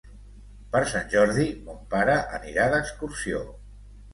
Per Sant Jordi mon pare anirà d'excursió.